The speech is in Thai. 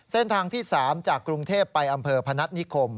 เส้นทางที่๓จากกรุงเทพไปอำเภอพนัฐนิคม